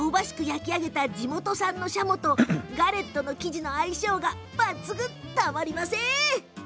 焼き上げた地元産のシャモとガレットの生地の相性は抜群、たまりません。